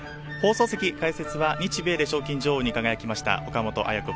解説は日米で賞金女王に輝きました岡本綾子